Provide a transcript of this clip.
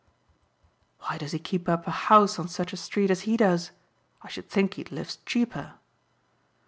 "Why does he keep up a house on such a street as he does? I should think he'd live cheaper."